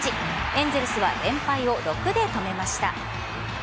エンゼルスは連敗を６で止めました。